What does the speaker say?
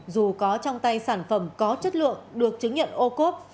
dù có trong tay sản phẩm có chất lượng được chứng nhận ô cốp